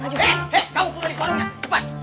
hei kamu pemilik warungnya